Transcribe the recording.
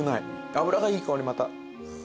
脂がいい香りまた。